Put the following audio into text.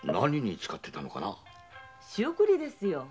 仕送りですよ。